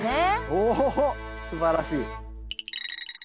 おおっすばらしい。